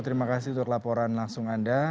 terima kasih untuk laporan langsung anda